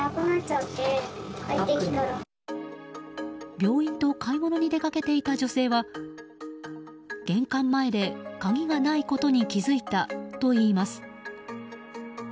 病院と買い物に出かけていた女性は玄関前で鍵がないことに気付いたといいます。